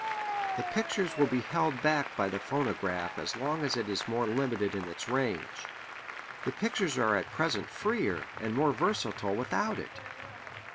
The pictures will be held back by the phonograph as long as it is more limited in its range. The pictures are at present freer and more versatile without it.